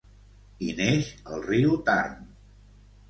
Hi neix el riu Tarn.